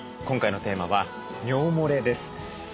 今回のテーマは尿もれです。